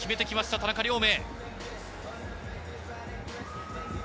田中亮明。